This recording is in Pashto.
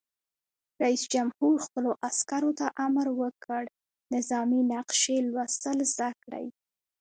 رئیس جمهور خپلو عسکرو ته امر وکړ؛ نظامي نقشې لوستل زده کړئ!